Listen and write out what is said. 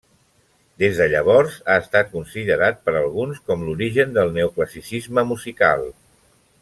Des de llavors ha estat considerat per alguns com l'origen del neoclassicisme musical.